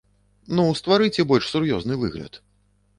Ну, стварыце больш сур'ёзны выгляд.